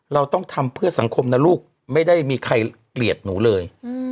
เราต้องทำเพื่อสังคมนะลูกไม่ได้มีใครเกลียดหนูเลย